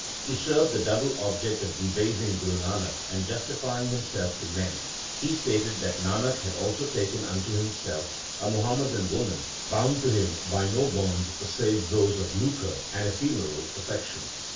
To serve the double object of debasing Guru Nanak and justify ing himself to men, he stated that Nanak had also taken unto himself a Muhammadan woman bound to him by no bonds save those of lucre and ephemeral affection.